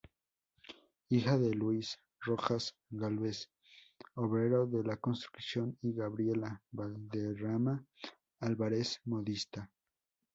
Hija de Luis Rojas Gálvez, obrero de la construcción y Gabriela Valderrama Álvarez, modista.